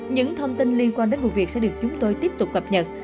những thông tin liên quan đến vụ việc sẽ được chúng tôi tiếp tục gặp nhau